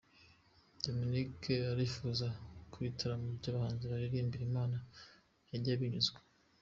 Dominic arifuza ko ibitaramo by’abahanzi baririmbira Imana byajya byishyuzwa